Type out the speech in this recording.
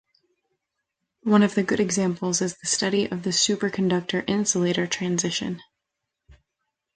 One of the good example is the study of the Superconductor Insulator Transition.